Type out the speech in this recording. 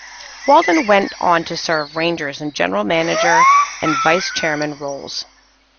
Waddell went on to serve Rangers in general manager and vice chairman roles.